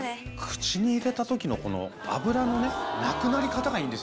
口に入れた時の脂のなくなり方がいいんですよね。